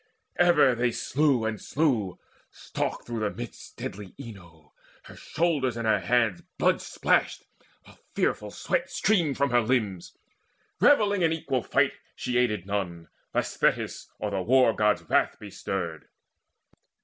Ever they slew and slew: stalked through the midst Deadly Enyo, her shoulders and her hands Blood splashed, while fearful sweat streamed from her limbs. Revelling in equal fight, she aided none, Lest Thetis' or the War god's wrath be stirred.